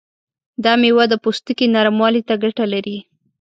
دا میوه د پوستکي نرموالي ته ګټه لري.